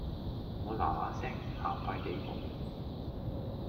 我嗱嗱聲行快幾步